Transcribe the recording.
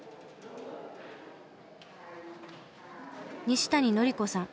西谷典子さん。